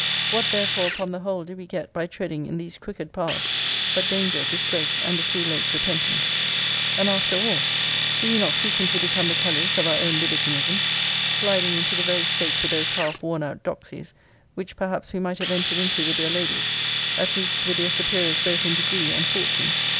What therefore, upon the whole, do we get by treading in these crooked paths, but danger, disgrace, and a too late repentance? And after all, do we not frequently become the cullies of our own libertinism; sliding into the very state with those half worn out doxies, which perhaps we might have entered into with their ladies; at least with their superiors both in degree and fortune?